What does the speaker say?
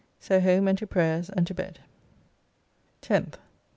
So home and to prayers and to bed. 10th.